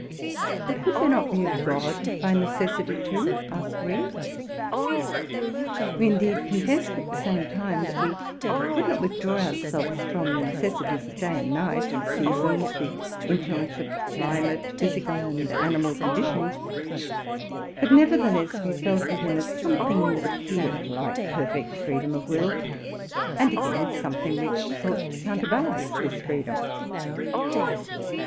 But might not there be a God by necessity too? asked we. We indeed confessed, at the same time, that we could not withdraw ourselves from the necessities of day and night, the seasons, the influence of climate, physical and animal condition : we nevertheless felt within us something that ap peared like perfect freedom of will, and again something which endeavored to counterbalance this freedom.